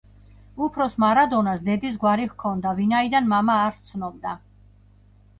უფროს მარადონას დედის გვარი ჰქონდა, ვინაიდან მამა არ სცნობდა.